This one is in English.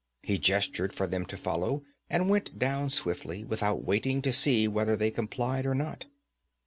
He gestured for them to follow, and went down swiftly, without waiting to see whether they complied or not.